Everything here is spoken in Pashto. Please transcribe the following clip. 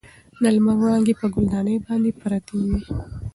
د لمر وړانګې په ګل دانۍ باندې پرتې وې.